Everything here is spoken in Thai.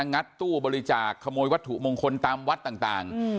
งัดตู้บริจาคขโมยวัตถุมงคลตามวัดต่าง